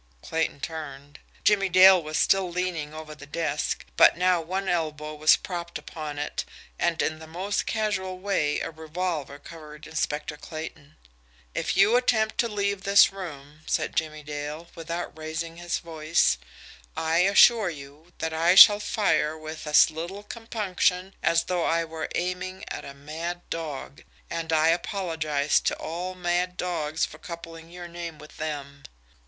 Clayton turned. Jimmie Dale was still leaning over the desk, but now one elbow was propped upon it, and in the most casual way a revolver covered Inspector Clayton. "If you attempt to leave this room," said Jimmie Dale, without raising his voice, "I assure you that I shall fire with as little compunction as though I were aiming at a mad dog and I apologise to all mad dogs for coupling your name with them."